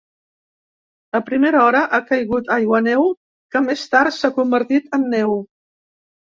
A primera hora ha caigut aiguaneu que més tard s’ha convertit en neu.